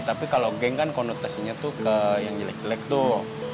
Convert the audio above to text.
tapi kalau geng kan konotasinya tuh ke yang jelek jelek tuh